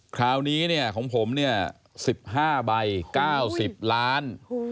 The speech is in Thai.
คราวนี้ของผม๑๕ใบ๙๐ล้าน